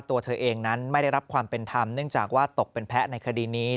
ตัวเธอเองนั้นไม่ได้รับความเป็นธรรมเนื่องจากว่าตกเป็นแพ้ในคดีนี้